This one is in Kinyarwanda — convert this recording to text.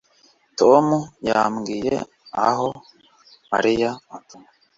Tom yambwiye aho Mariya atuye